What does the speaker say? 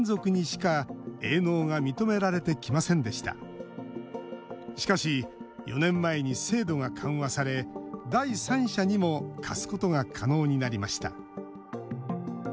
しかし、４年前に制度が緩和され第三者にも貸すことが可能になりました。